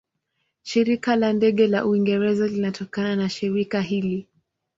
Shirika la Ndege la Uingereza linatokana na shirika hili.